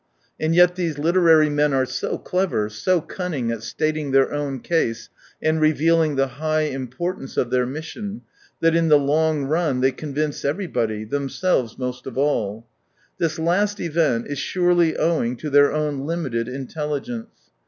And yet these literary men are so clever, so cunning at stating their own case and revealing the high importance of their mission, that in the long run they convince everybody, them selves most pf all. This last event is surely owing to their own limited intelligence.